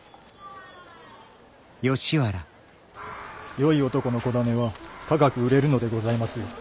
よい男の子種は高く売れるのでございますよ。